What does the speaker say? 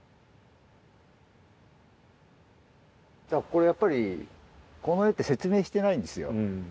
これやっぱりこの絵って説明してないんですよ。